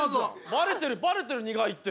バレてるバレてる苦いって。